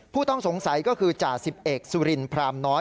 ผู้ต้องสงสัยก็คือจ่าสิบเอกสุรินพรามน้อย